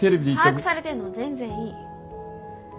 把握されてんのは全然いい。